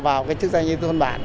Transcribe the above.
vào cái chức danh y tế thôn bản